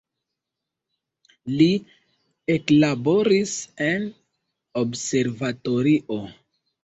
Li eklaboris en observatorio.